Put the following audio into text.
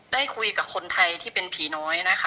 ได้คุยกับคนไทยที่เป็นผีน้อยนะคะ